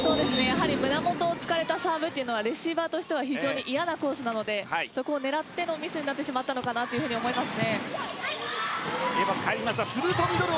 胸元を突かれたサーブはレシーバーとしては非常に嫌なコースなのでそこを狙ってのミスになってしまったのかなと思います。